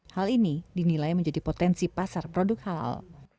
hal ini dinilai menjadi potensi pasar produk halal